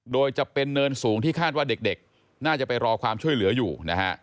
โดยจะเป็นเนินสูงที่คาดว่าเด็กน่าจะไปรอความช่วยเหลืออยู่นะฮะ